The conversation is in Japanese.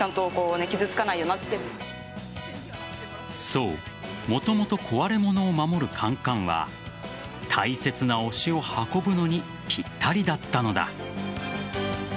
そうもともと壊れ物を守る缶かんは大切な推しを運ぶのにぴったりだったのだ。